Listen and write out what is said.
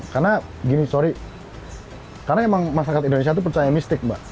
karena gini sorry karena emang masyarakat indonesia itu percaya mistik mbak